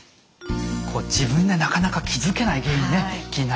こう自分でなかなか気付けない原因ね気になります。